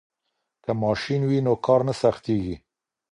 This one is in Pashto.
که ماشین وي نو کار نه سختیږي.